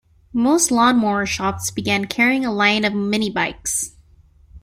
Most lawnmower shops began carrying a line of mini-bikes.